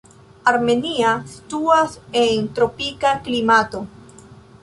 Armenia situas en tropika klimato.